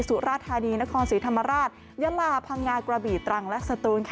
สุราธานีนครศรีธรรมราชยะลาพังงากระบีตรังและสตูน